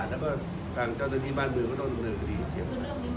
แล้วก็ทางเจ้าหน้าที่บ้านเมืองก็ต้องเจ้าเนินคดีให้เฉพค่ะ